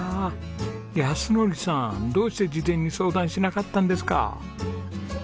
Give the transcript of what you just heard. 靖憲さんどうして事前に相談しなかったんですか？